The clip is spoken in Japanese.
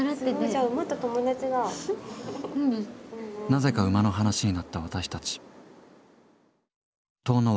なぜか馬の話になった私たちよし後ろ